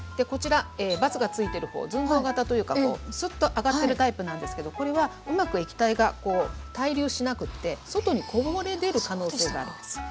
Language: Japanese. こちら×がついてる方ずんどう形というかすっと上がってるタイプなんですけどこれはうまく液体が対流しなくて外にこぼれ出る可能性があります。